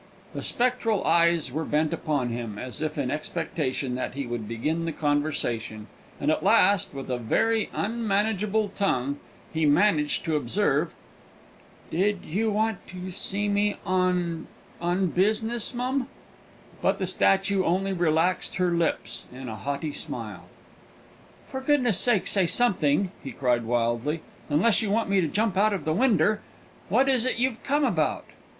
The spectral eyes were bent upon him, as if in expectation that he would begin the conversation, and, at last, with a very unmanageable tongue, he managed to observe "Did you want to see me on on business, mum?" [Illustration: "DID YOU WANT TO SEE ME ON ON BUSINESS, MUM?"] But the statue only relaxed her lips in a haughty smile. "For goodness' sake, say something!" he cried wildly; "unless you want me to jump out of the winder! What is it you've come about?"